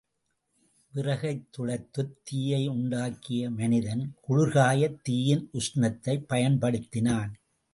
விறகைத் துளைத்துத் தீயை உண்டாக்கிய மனிதன், குளிர்காயத் தீயின் உஷ்ணத்தைப் பயன்படுத்தினான்.